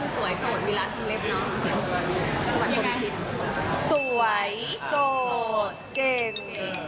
สวยโสดเก่ง